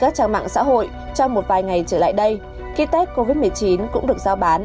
trên các trang mạng xã hội trong một vài ngày trở lại đây ký test covid một mươi chín cũng được giao bán